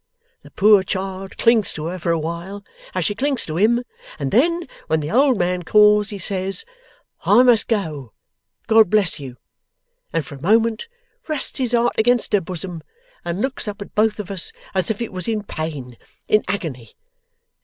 The poor child clings to her for awhile, as she clings to him, and then, when the old man calls, he says "I must go! God bless you!" and for a moment rests his heart against her bosom, and looks up at both of us, as if it was in pain in agony.